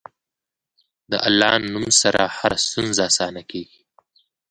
د الله نوم سره هره ستونزه اسانه کېږي.